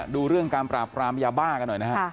ดูเรื่องการปราบกรามยาบ้ากันหน่อยนะฮะ